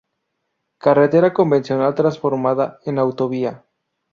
Carretera convencional transformada en autovía.